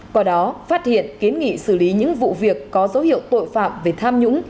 qua đó phát hiện kiến nghị xử lý những vụ việc có dấu hiệu tội phạm về tham nhũng